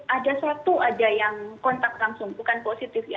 ada satu ada yang kontak langsung bukan positif ya